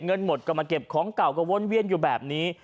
เงินหมดก็มาเก็บของเก่าก็วนเวียนอยู่แบบนี้